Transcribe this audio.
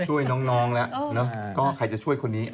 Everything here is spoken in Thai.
ช่วยน้องแล้วน้างถ้าใครจะช่วยคนนี้